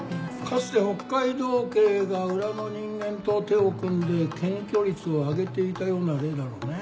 かつて北海道警が裏の人間と手を組んで検挙率を上げていたような例だろうねえ。